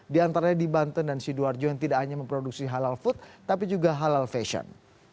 di antaranya di banten dan sidoarjo yang tidak hanya memproduksi halal food tapi juga halal fashion